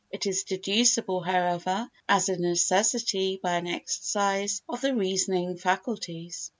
It is deducible however as a necessity by an exercise of the reasoning faculties.